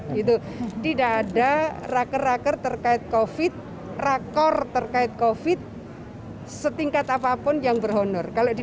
gitu tidak ada raker raker terkait kofit rakor terkait kofit setingkat apapun yang berhonor kalau di